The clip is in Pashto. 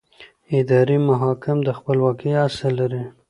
اداري محاکم د خپلواکۍ اصل لري.